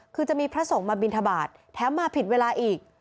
คือจะมีพระสงฆ์มาบินทบาทแถมมาผิดเวลาอีก